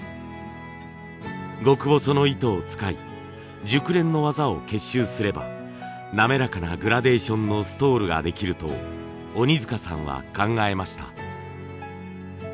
極細の糸を使い熟練の技を結集すれば滑らかなグラデーションのストールができると鬼塚さんは考えました。